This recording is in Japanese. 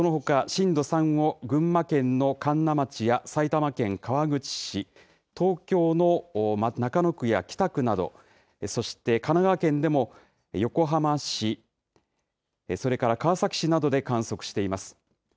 そのほか、震度３を群馬県のかんな町や埼玉県川口市、東京の中野区や北区など、そして神奈川県でも横浜市、それから川崎市などで観測しています。